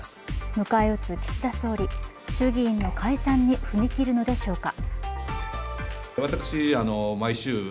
迎え撃つ岸田総理、衆議院の解散に踏み切るのでしょうか。